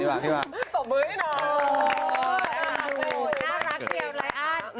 น่ารักเดี๋ยวรายอ้าน